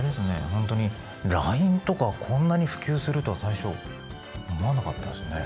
ほんとにＬＩＮＥとかこんなに普及するとは最初思わなかったですね。